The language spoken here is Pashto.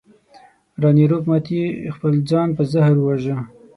راني روپ متي خپل ځان په زهر وواژه.